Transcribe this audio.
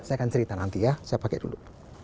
saya akan cerita nanti ya saya pakai dulu